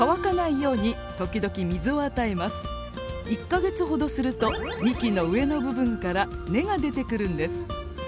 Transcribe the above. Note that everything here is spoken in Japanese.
１か月ほどすると幹の上の部分から根が出てくるんです。